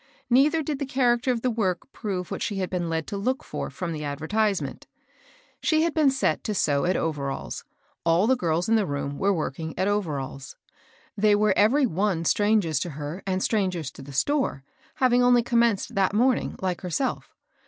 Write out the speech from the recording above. Neither did the character of the work prove what she had been led to look for from the advertisement. She had been set to sew at overalls, — all the girls in the room were working at overalls. They were every one strangers to her, and strangers to the store, having only commenced that morning, like herself.